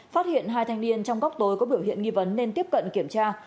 phát hiện hai thanh niên trong góc tối có biểu hiện nghi vấn nên tiếp cận kiểm tra